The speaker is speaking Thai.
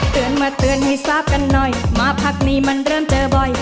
มาเตือนให้ทราบกันหน่อยมาพักนี้มันเริ่มเจอบ่อย